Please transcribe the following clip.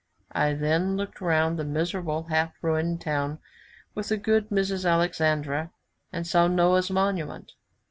I then looked round the miserable half ruined town with the good Mrs. Alexandwer, and saw Noah's monument.